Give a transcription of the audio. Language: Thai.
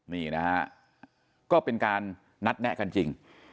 นี่นะฮะก็เป็นการนัดแนะกันจริง